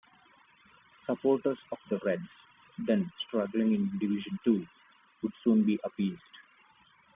Supporters of the "Reds", then struggling in Division Two, would soon be appeased.